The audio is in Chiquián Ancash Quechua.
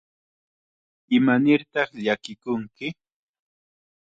¿Imanirtaq llakikunki?